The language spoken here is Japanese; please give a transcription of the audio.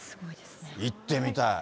行ってみたい。